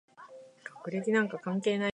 黃胸藪眉是臺灣特有種喔！